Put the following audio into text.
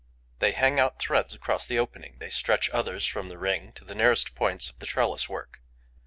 They hang out threads across the opening; they stretch others from the ring to the nearest points of the trellis work.